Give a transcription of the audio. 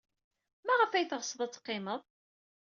Maɣef ay teɣsed ad teqqimed?